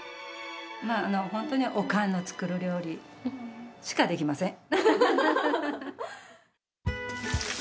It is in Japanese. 本当におかんの作る料理しかできません！